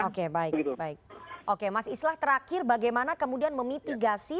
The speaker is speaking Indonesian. oke baik baik oke mas islah terakhir bagaimana kemudian memitigasi